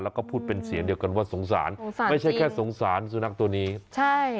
แล้วก็พูดเป็นเสียงเดียวกันว่าสงสารสงสารไม่ใช่แค่สงสารสุนัขตัวนี้ใช่